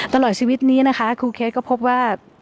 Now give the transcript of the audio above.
ตลอดชีวิตนี้นะคะครูเคสก็พบว่า